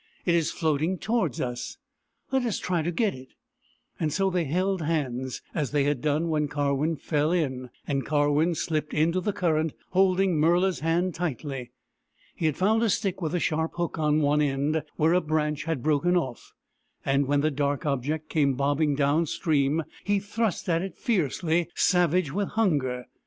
" It is floating towards us. Let us try to get it." So they held hands, as they had done when Karwin fell in, and Karwin slipped into the current, holding Murla's hand tightly. He had found a stick with a sharp hook on one end, where a branch had broken off, and when the dark object came bobbing down stream he thrust at it fiercely, savage with hunger.